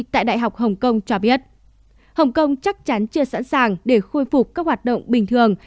tại đại học hồng kông cho biết hồng kông chắc chắn chưa sẵn sàng để khôi phục các hoạt động bình thường